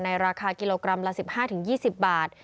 ราคากิโลกรัมละ๑๕๒๐บาท